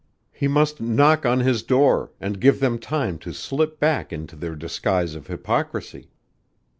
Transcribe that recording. He must knock on his door, and give them time to slip back into their disguise of hypocrisy.